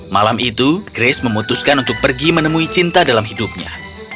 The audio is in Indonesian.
malam itu grace memutuskan untuk pergi menemui cinta dalam hidupnya